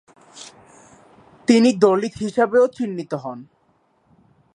তিনি দলিত হিসাবেও চিহ্নিত হন।